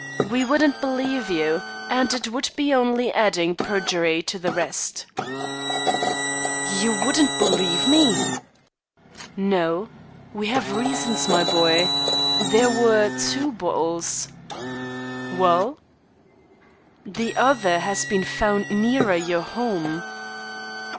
"We wouldn't believe you, and it would be only adding perjury to the rest." "You wouldn't believe me?" "No; we have reasons, my boy. There were two bottles." "Well?" "The other has been found nearer your home."